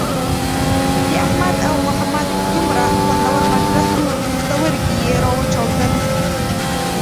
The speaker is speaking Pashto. د احمد او محمد دومره خوندور مجلس وو پوښتورگي یې را وچاودل.